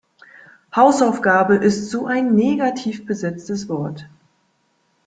Hausaufgabe ist so ein negativ besetztes Wort.